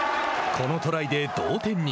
このトライで同点に。